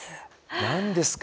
何ですか？